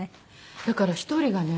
だから１人がね。